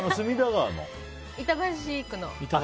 板橋区の。